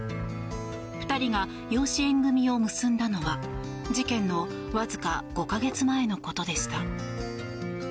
２人が養子縁組を結んだのは事件のわずか５か月前のことでした。